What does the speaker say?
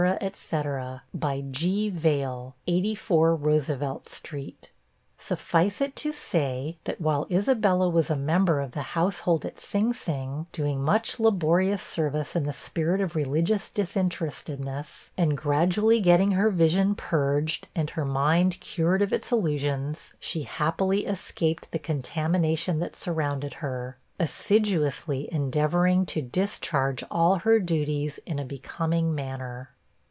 &c. By G. Vale, 84 Roosevelt street.' Suffice it to say, that while Isabella was a member of the household at Sing Sing, doing much laborious service in the spirit of religious disinterestedness, and gradually getting her vision purged and her mind cured of its illusions, she happily escaped the contamination that surrounded her, assiduously endeavoring to discharge all her duties in a becoming manner.